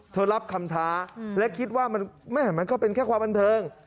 รับคำท้าและคิดว่าแม่มันก็เป็นแค่ความบันเทิง